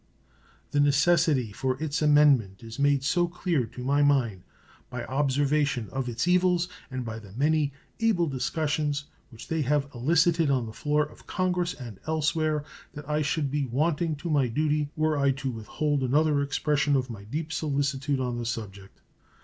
The necessity for its amendment is made so clear to my mind by observation of its evils and by the many able discussions which they have elicited on the floor of Congress and elsewhere that I should be wanting to my duty were I to withhold another expression of my deep solicitude on the subject.